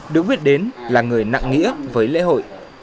được biết đến là người nặng nghĩa với lễ hội